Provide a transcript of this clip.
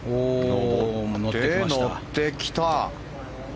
乗ってきた。